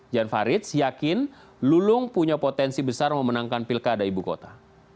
jan farid yakin lulung punya potensi besar memenangkan pilkada ibu kota